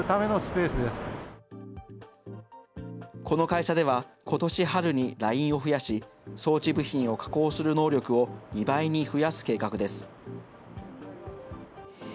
この会社では、ことし春にラインを増やし、装置部品を加工する能力を２倍に増やす計画です。